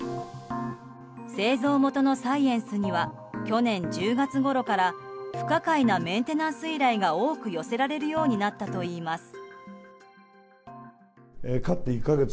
製造元のサイエンスには去年１０月ごろから不可解なメンテナンス依頼が多く寄せられるようになったといいます。